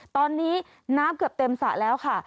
ตอนนี้น้ำเกือบเต็มสระแล้วค่ะ